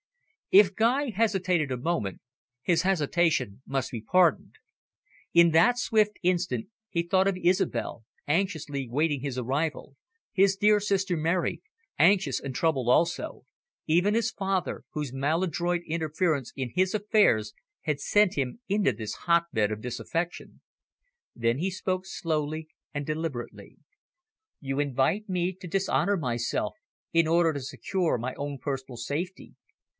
If Guy hesitated a moment, his hesitation must be pardoned. In that swift instant he thought of Isobel, anxiously waiting his arrival, his dear sister Mary, anxious and troubled also, even his father, whose maladroit interference in his affairs had sent him into this hotbed of disaffection. Then he spoke slowly and deliberately. "You invite me to dishonour myself, in order to secure my own personal safety.